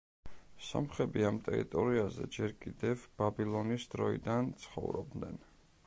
სომხები ამ ტერიტორიაზე ჯერ კიდევ ბაბილონის დროიდან ცხოვრობდნენ.